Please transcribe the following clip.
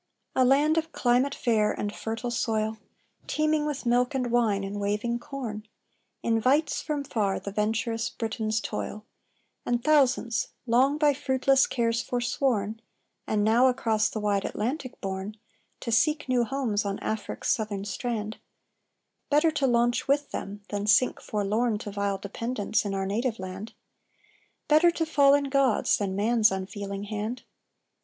A land of climate fair and fertile soil, Teeming with milk and wine and waving corn, Invites from far the venturous Briton's toil: And thousands, long by fruitless cares foresworn, And now across the wide Atlantic borne, To seek new homes on Afric's southern strand: Better to launch with them than sink forlorn, To vile dependence in our native land; Better to fall in God's than man's unfeeling hand!